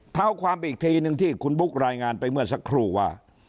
เท้าความอีกทีนึงที่คุณบุ๊ครายงานไปเมื่อสักครู่ว่า